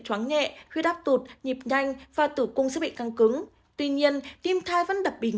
chóng nhẹ huyết áp tụt nhịp nhanh và tử cung sẽ bị căng cứng tuy nhiên tim thai vẫn đập bình